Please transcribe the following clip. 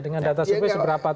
dengan data seberapa